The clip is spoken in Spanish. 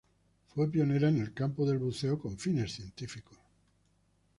Fue pionera en el campo del buceo con fines científicos.